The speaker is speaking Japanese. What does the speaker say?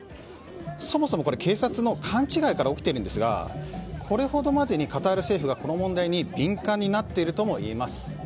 そもそも、警察の勘違いから起きているんですがこれほどまでにカタール政府がこの問題に敏感になっているともいえます。